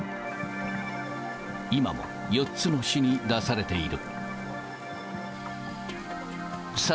今も４つの市に出されている。